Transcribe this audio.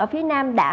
ở phía nam đã